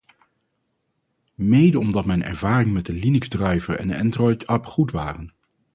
Mede omdat mijn ervaringen met de Linux-driver en Android-app goed waren.